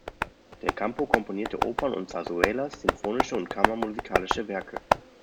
Del Campo komponierte Opern und Zarzuelas, sinfonische und kammermusikalische Werke.